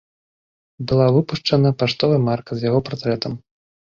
Была выпушчана паштовая марка з яго партрэтам.